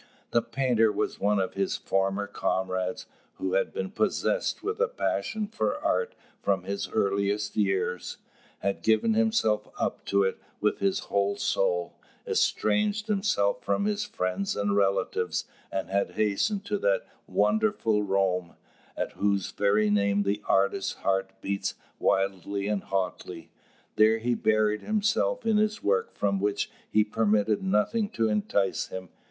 The painter was one of his former comrades, who had been possessed with a passion for art from his earliest years, had given himself up to it with his whole soul, estranged himself from his friends and relatives, and had hastened to that wonderful Rome, at whose very name the artist's heart beats wildly and hotly. There he buried himself in his work from which he permitted nothing to entice him.